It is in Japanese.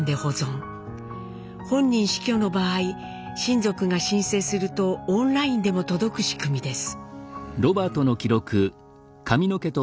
本人死去の場合親族が申請するとオンラインでも届く仕組みです。